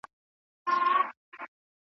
تعلیم روغتیا ښه کوي.